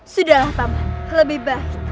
sudahlah paman lebih baik